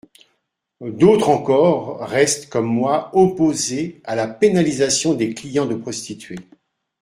D’autres encore restent, comme moi, opposés à la pénalisation des clients de prostituées.